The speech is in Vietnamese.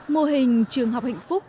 mô hình trường học hạnh phúc